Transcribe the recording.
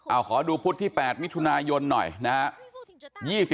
เอาขอดูพุธที่๘มิถุนายนหน่อยนะครับ